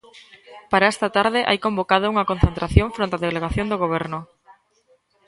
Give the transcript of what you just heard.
Para esta tarde hai convocada unha concentración fronte á delegación do Goberno.